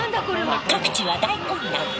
各地は大混乱。